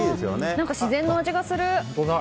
何か自然の味がする。